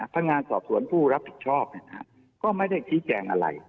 พนักงานสอบสวนผู้รับผิดชอบก็ไม่ได้ชี้แจงอะไร